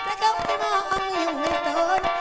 แต่เขาไม่มองอยู่ในส่วน